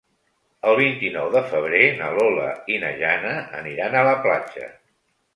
El vint-i-nou de febrer na Lola i na Jana aniran a la platja.